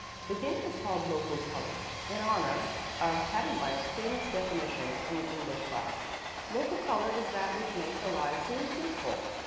The game was called "local color," in honor of Patty Wyatt's famous definition in English class, "Local color is that which makes a lie seem truthful."